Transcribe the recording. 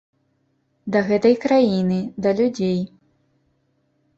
Да гэтай краіны, да людзей.